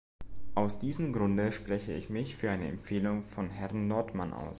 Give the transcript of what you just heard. Aus diesem Grunde spreche ich mich für die Empfehlung von Herrn Nordmann aus.